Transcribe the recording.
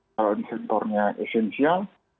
kalau di sektornya esensial